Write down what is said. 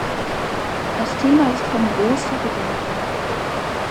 Das Thema ist von großer Bedeutung.